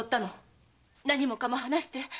何もかも話して。